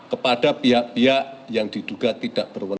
kepada pihak pihak yang diduga tidak berwenang